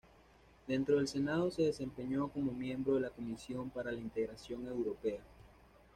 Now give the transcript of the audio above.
Dentro del Senado se desempeñó como miembro de la Comisión para la Integración Europea.